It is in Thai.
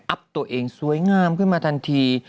ตัวเองสวยงามขึ้นมาทันที